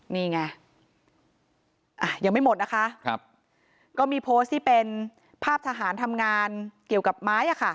นี่ไงอ่ะยังไม่หมดนะคะครับก็มีโพสต์ที่เป็นภาพทหารทำงานเกี่ยวกับไม้อ่ะค่ะ